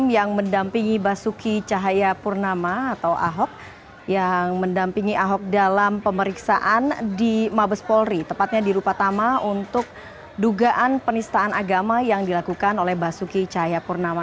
yang mendampingi basuki cahayapurnama atau ahok yang mendampingi ahok dalam pemeriksaan di mabes polri tepatnya di rupa tama untuk dugaan penistaan agama yang dilakukan oleh basuki cahayapurnama